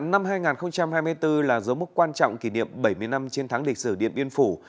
năm hai nghìn hai mươi bốn là dấu mốc quan trọng kỷ niệm bảy mươi năm chiến thắng lịch sử điện biên phủ